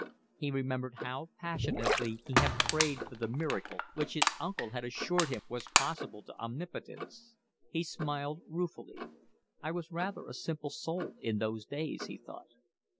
He remembered how passionately he had prayed for the miracle which his uncle had assured him was possible to omnipotence. He smiled ruefully. "I was rather a simple soul in those days," he thought.